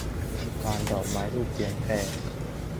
พานดอกไม้ธูปเทียนแพ